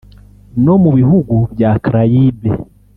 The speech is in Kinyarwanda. no mu bihugu bya Caraïbe